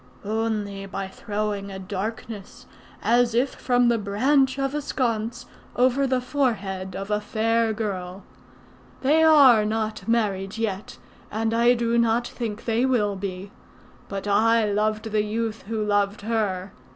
"Only by throwing a darkness, as if from the branch of a sconce, over the forehead of a fair girl. They are not married yet, and I do not think they will be. But I loved the youth who loved her.